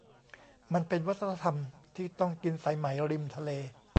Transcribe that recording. มันเป็นวัฒนธรรมที่ต้องกินสายไหมริมทะเล